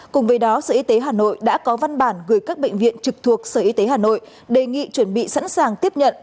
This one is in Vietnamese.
cùng với đó sở y tế hà nội đã có văn bản gửi các bệnh viện trực thuộc sở y tế hà nội đề nghị chuẩn bị sẵn sàng tiếp nhận